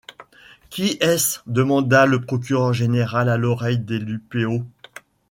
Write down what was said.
Qui est-ce? demanda le procureur général à l’oreille de des Lupeaulx.